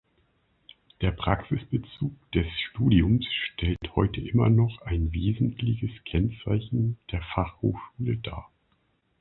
Der Praxisbezug des Studiums stellt heute immer noch ein wesentliches Kennzeichen der Fachhochschule dar.